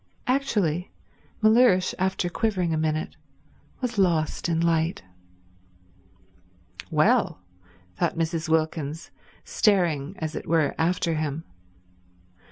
Actually Mellersh, after quivering a minute, was lost in light. "Well," thought Mrs. Wilkins, staring, as it were, after him.